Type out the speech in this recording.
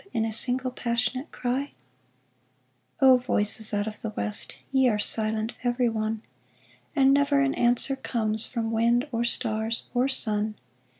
In a single passionate cry ? O voices out of the West, Ye are silent every one, And never an answer comes From wind, or stars, or sun